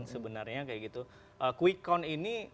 sebenarnya kayak gitu quick count ini